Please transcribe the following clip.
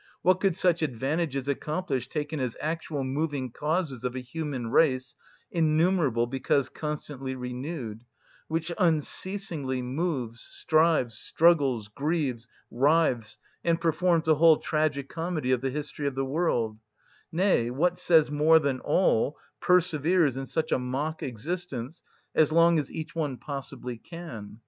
What could such advantages accomplish taken as actual moving causes of a human race, innumerable because constantly renewed, which unceasingly moves, strives, struggles, grieves, writhes, and performs the whole tragi‐comedy of the history of the world, nay, what says more than all, perseveres in such a mock‐existence as long as each one possibly can?